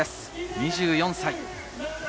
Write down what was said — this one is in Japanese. ２４歳。